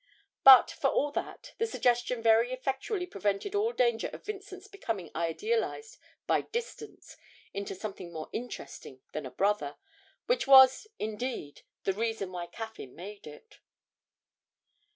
But, for all that, the suggestion very effectually prevented all danger of Vincent's becoming idealised by distance into something more interesting than a brother which was, indeed, the reason why Caffyn made it.